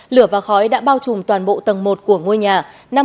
lửa và khói đã bao trùm toàn bộ tầng một của ngôi nhà